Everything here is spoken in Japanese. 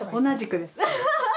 同じくです。